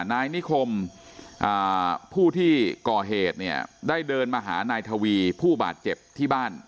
นายนิคมผู้ที่ก่อเหตุเนี่ยได้เดินมาหานายทวีผู้บาดเจ็บที่บ้าน